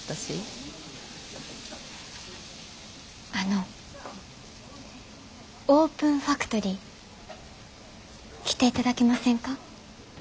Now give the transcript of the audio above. あのオープンファクトリー来ていただけませんか？